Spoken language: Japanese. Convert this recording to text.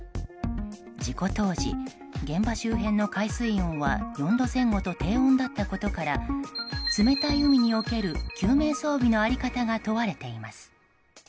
事故当時、現場周辺の海水温は４度前後と低温だったことから冷たい海における救命装備の在り方が問われています。